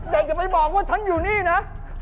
แต่อย่าไปบอกว่าฉันอยู่นี่นะ